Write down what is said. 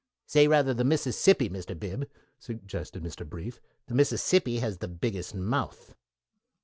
"Say rather the Mississippi, Mr. Bib," suggested Mr. Brief. "The Mississippi has the biggest mouth."